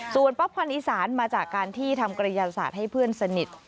ส่วนป๊อปพันธ์อีสานมาจากการที่ทำกระยาศาสตร์ให้เพื่อนสนิท